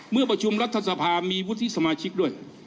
เมื่อประชุมรัฐสภามีวุฒิสมาชิกด้วย